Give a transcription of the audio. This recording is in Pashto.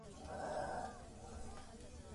وهل ټکول ماشوم ویره پیدا کوي.